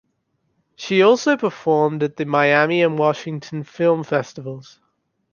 She also performed at the Miami and Washington Film Festivals.